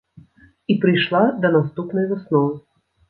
І прыйшла да наступнай высновы.